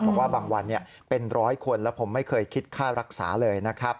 บอกว่าบางวันเป็นร้อยคนแล้วผมไม่เคยคิดค่ารักษาเลยนะครับ